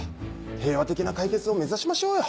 平和的な解決を目指しましょうよ。